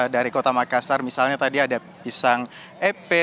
dari kota makassar misalnya tadi ada pisang epe